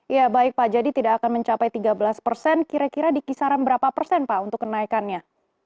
ya baik pak jadi tidak akan mencapai tiga belas persen kira kira di kisaran berapa persen pak untuk kenaikannya